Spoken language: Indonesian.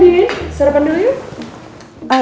hai andi sarapan dulu yuk